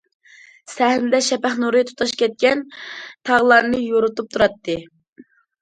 سەھنىدە، شەپەق نۇرى تۇتاش كەتكەن تاغلارنى يورۇتۇپ تۇراتتى.